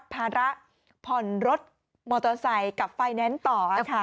ผ่อนรถมอเตอร์ไซค์กับไฟแนนซ์ต่อค่ะ